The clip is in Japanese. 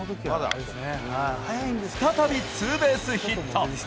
再びツーベースヒット。